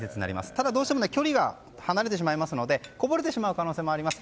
ただどうしても距離が離れてしまうのでこぼれてしまう可能性があります。